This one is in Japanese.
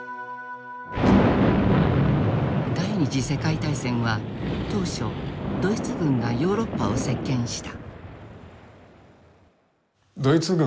第二次世界大戦は当初ドイツ軍がヨーロッパを席けんした。